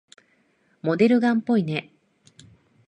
モデルガンっぽいね。